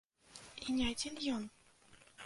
І не адзін ён!